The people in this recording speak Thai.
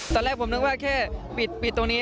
ตอนแรกผมนึกว่าแค่ปิดตรงนี้